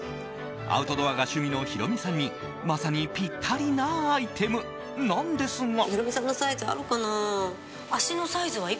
アウトドアが趣味のヒロミさんにまさにぴったりなアイテムなんですが。